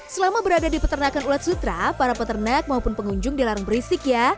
selama berada di peternakan ulat sutra para peternak maupun pengunjung dilarang berisik ya